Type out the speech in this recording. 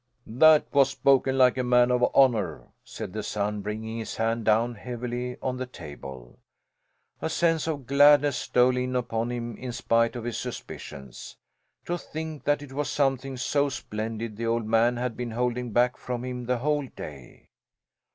'" "That was spoken like a man of honour!" said the son, bringing his hand down heavily on the table. A sense of gladness stole in upon him in spite of his suspicions. To think that it was something so splendid the old man had been holding back from him the whole day!